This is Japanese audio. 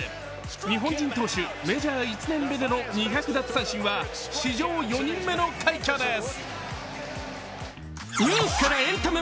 日本人投手、シーズン１年目での２００奪三振は史上４人目の快挙です。